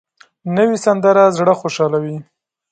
نوې سندره زړه خوشحالوي